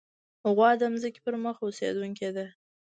غوا د ځمکې پر مخ اوسېدونکې ده.